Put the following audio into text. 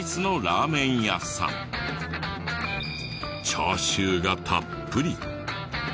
チャーシューがたっぷり。